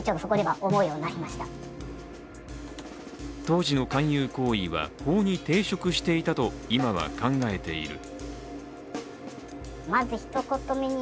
当時の勧誘行為は法に抵触していたと今は考えている。